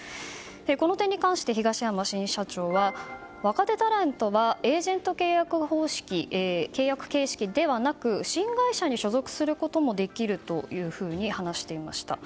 この点に関して東山新社長は若手タレントはエージェント契約形式ではなく新会社に所属することもできるというふうに話していました。